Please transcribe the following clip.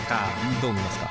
どう見ますか？